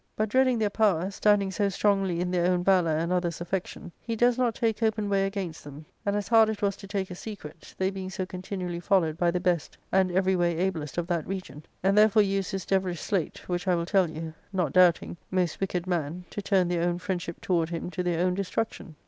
But, dreading their power, standing so strongly in their own valour and others' affection, he durst not take open way against them, and as hard it was to take a secret, they being so continually followed by the best and every way ablest of that region, and therefore used this devilish sleight, which I will tell you, not doubting, most wicked man, to turn their own friendship toward him to their own destruction.